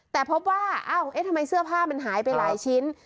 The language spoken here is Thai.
แต่พบว่าเอ้าทำไมเสื้อผ้ามันหายไปหลายชิ้น